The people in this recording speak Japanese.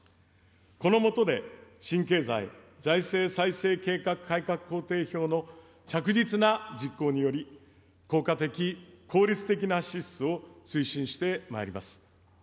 この下で、新経済・財政再生計画改革工程表の着実な実行により、効果的、効率的な支出を推進してまいります。